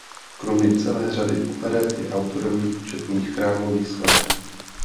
Kromě celé řady operet je autorem četných chrámových skladeb.